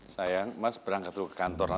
sayang berangkat dulu ke kantor